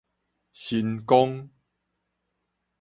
神岡